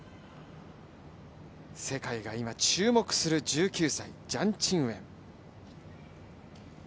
世界が今、注目する１９歳、ジャン・チンウェン。